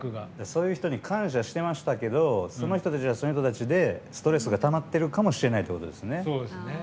そういう人に感謝してましたけどその人たちはその人たちでストレスがたまっているかもしれないってことですよね。